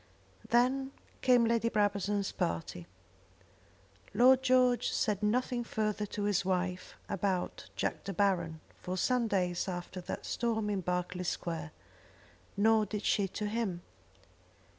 Then came Lady Brabazon's party. Lord George said nothing further to his wife about Jack De Baron for some days after that storm in Berkeley Square, nor did she to him.